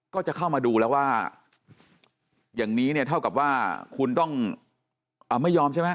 ก็จะเข้ามาดูแล้วว่าอย่างนี้เนี่ยเท่ากับว่าคุณต้องไม่ยอมใช่ไหม